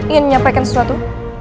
ingin menyampaikan sesuatu